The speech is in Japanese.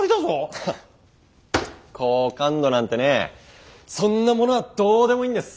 ハッ好感度なんてねそんなものはどうでもいいんです。